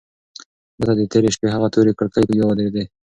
ده ته د تېرې شپې هغه تورې کړکۍ بیا ودرېدې.